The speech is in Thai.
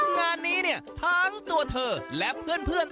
งานนี้เนี่ยทั้งตัวเธอและเพื่อน